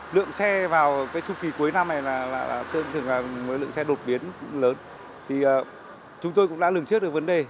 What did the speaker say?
lượng xe vào cái chu kỳ cuối năm này là thường là với lượng xe đột biến lớn thì chúng tôi cũng đã lường trước được vấn đề